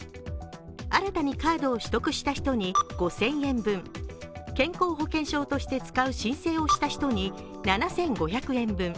新たにカードを取得した人に５０００円分、健康保険証として使う申請をした人に７５００円分。